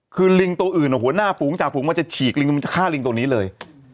คือลิงตัวอื่นหัวหน้าฝูงจากฝูงมันจะฉีกลิงมันจะฆ่าลิงตัวนี้เลย